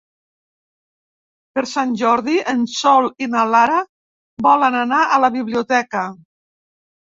Per Sant Jordi en Sol i na Lara volen anar a la biblioteca.